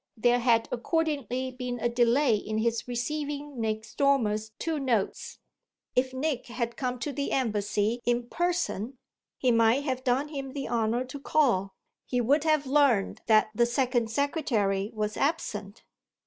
There had accordingly been a delay in his receiving Nick Dormer's two notes. If Nick had come to the embassy in person he might have done him the honour to call he would have learned that the second secretary was absent.